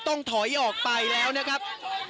ต้องถอยออกไปแล้วนะครับ